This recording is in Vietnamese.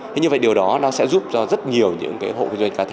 thế như vậy điều đó nó sẽ giúp cho rất nhiều những cái hộ kinh doanh cá thể